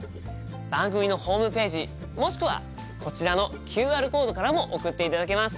番組のホームページもしくはこちらのＱＲコードからも送っていただけます。